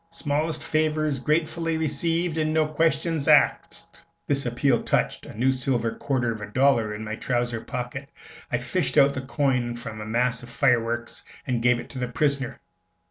Smallest favors gratefully received, an' no questions axed." This appeal touched a new silver quarter of a dollar in my trousers pocket; I fished out the coin from a mass of fireworks, and gave it to the prisoner.